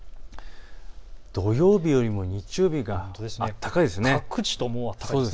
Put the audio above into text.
土曜日よりも日曜日が暖かいです。